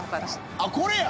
あっこれや。